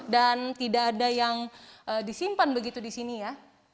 dan tidak ada yang disimpan begitu di sini ya